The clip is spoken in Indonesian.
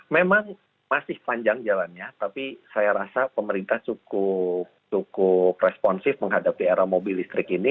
memang masih panjang jalannya tapi saya rasa pemerintah cukup responsif menghadapi era mobil listrik ini